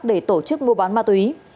để tổ chức mua bán ma túy